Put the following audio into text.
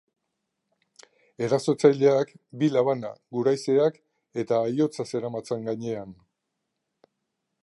Erasotzaileak bi labana, guraizeak eta aihotza zeramatzan gainean.